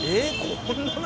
こんなの。